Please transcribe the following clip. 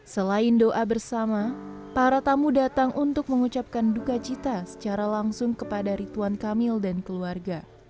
selain doa bersama para tamu datang untuk mengucapkan duka cita secara langsung kepada rituan kamil dan keluarga